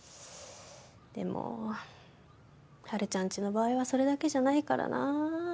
でも春ちゃんちの場合はそれだけじゃないからなあ。